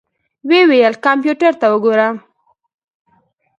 ويې ويل کمپيوټر ته وګوره.